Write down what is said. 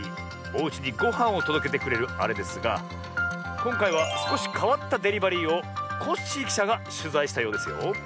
おうちにごはんをとどけてくれるあれですがこんかいはすこしかわったデリバリーをコッシーきしゃがしゅざいしたようですよ。